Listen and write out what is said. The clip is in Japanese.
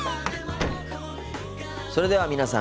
それでは皆さん